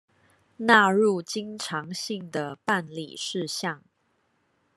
納入經常性的辦理事項